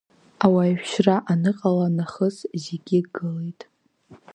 Ауаҩшьра аныҟала нахыс зегьы гылеит.